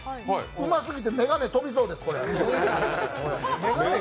うますぎてめがねが飛びそうです。